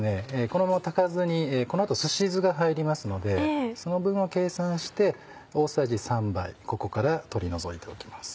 このまま炊かずにこの後すし酢が入りますのでその分を計算して大さじ３杯ここから取り除いておきます。